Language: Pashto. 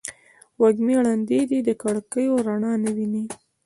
وږمې ړندې دي د کړکېو رڼا نه ویني